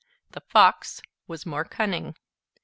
The fox was more cunning.